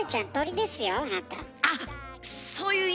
あっそういう意味？